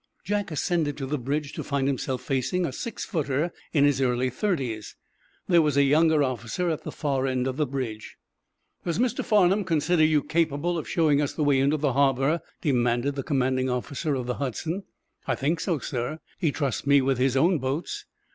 Jack ascended to the bridge, to find himself facing a six footer in his early thirties. There was a younger officer at the far end of the bridge. "Does Mr. Farnum consider you capable of showing us the way into the harbor?" demanded the commanding officer of the "Hudson." "I think so, sir. He trusts me with his own boats."